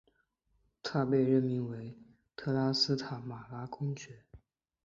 他被任命为特拉斯塔马拉公爵。